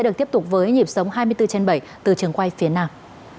được tiếp tục với nhịp sống hai mươi bốn trên bảy từ trường quay phía nam